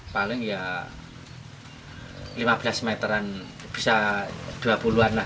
paling ya lima belas meteran bisa dua puluh an lah